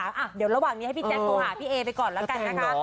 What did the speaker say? ส่วนกลัวเดี๋ยวหาผีเจมส์ตัวหาปีเอไปก่อนนะกันน่ะ